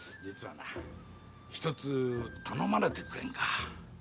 実はひとつ頼まれてくれんか？